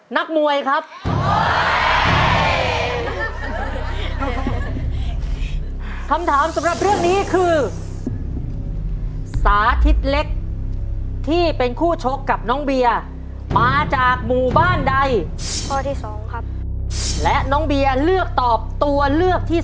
และน้องเบียเลือกตอบตัวเลือกที่๒